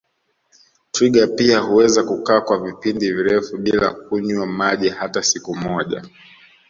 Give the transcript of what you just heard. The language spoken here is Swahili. Twiga pia huweza kukaa kwa vipindi virefu bila kunywa maji hata siku moja